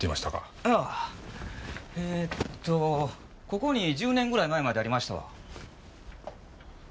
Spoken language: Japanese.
ここに１０年ぐらい前までありましたわ。